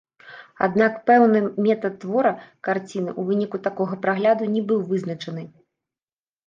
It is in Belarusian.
Аднак пэўны метад твора карціны ў выніку такога прагляду не быў вызначаны.